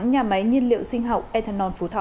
nhà máy nhiên liệu sinh học ethanol phú thọ